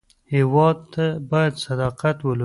هېواد ته باید صداقت ولرو